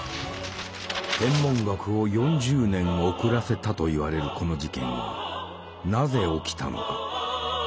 「天文学を４０年遅らせた」と言われるこの事件はなぜ起きたのか？